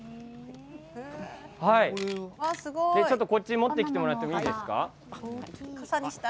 持ってきてもらっていいですか。